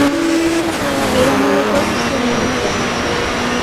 এরা মূলত সুন্নি মুসলমান।